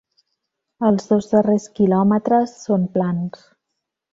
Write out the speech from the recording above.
Els dos darrers quilòmetres són plans.